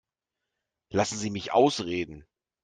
Lassen Sie mich ausreden.